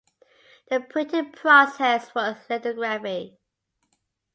The printing process was lithography.